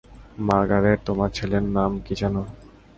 Margaret, তোমার ছেলের নাম কী যেন?